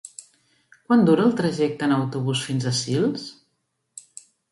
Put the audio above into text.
Quant dura el trajecte en autobús fins a Sils?